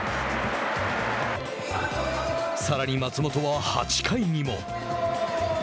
さらに松本は８回にも。